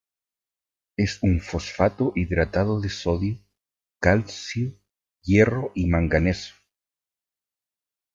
Es un fosfato hidratado de sodio, calcio, hierro y manganeso.